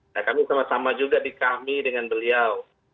nah kami sama sama juga di kami dengan beliau